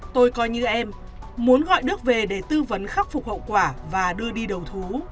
tôi coi như em muốn gọi đức về để tư vấn khắc phục hậu quả và đưa đi đầu thú